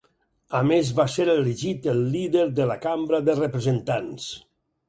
A més, va ser elegit el Líder de la Cambra de Representants.